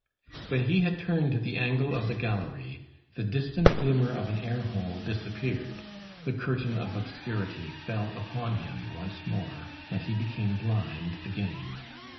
When he had turned the angle of the gallery, the distant glimmer of an air hole disappeared, the curtain of obscurity fell upon him once more, and he became blind again.